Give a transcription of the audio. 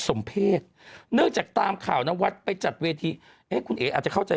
สมเพศเนื่องจากตามข่าวนวัดไปจัดเวทีเอ๊ะคุณเอ๋อาจจะเข้าใจ